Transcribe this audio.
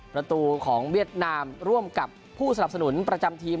ประตูของเวียดนามร่วมกับผู้สนับสนุนประจำทีม